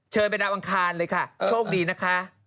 ไปดาวอังคารเลยค่ะโชคดีนะคะ